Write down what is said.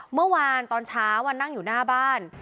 เมื่อวานตอนเช้านั่งอยู่หน้าบ้าน